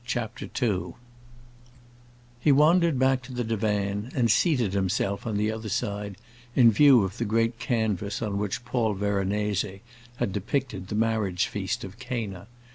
CHAPTER II He wandered back to the divan and seated himself on the other side, in view of the great canvas on which Paul Veronese had depicted the marriage feast of Cana.